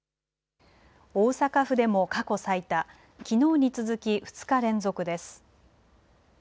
大阪府でも過去最多、きのうに続き２日連続です。